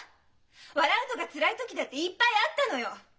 笑うのがつらい時だっていっぱいあったのよ！